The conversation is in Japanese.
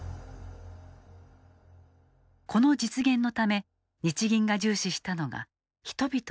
この実現のため日銀が重視したのが人々の心理。